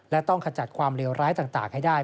และต้องขจัดความเลวร้ายต่างให้ได้